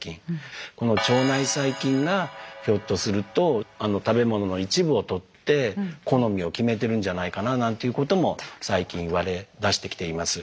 この腸内細菌がひょっとすると食べ物の一部をとって好みを決めてるんじゃないかななんていうことも最近言われだしてきています。